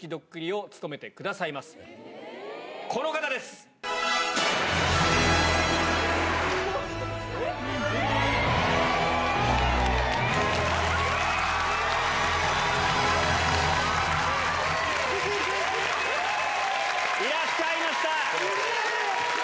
いらっしゃいました。